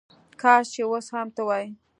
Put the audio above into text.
کاش چې وس هم ته وای